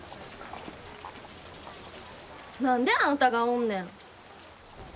何であんたがおんねん！？